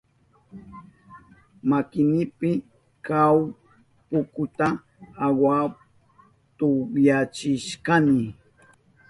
Makinipi kahuk pukuchuta aguhawa tukyachishkani.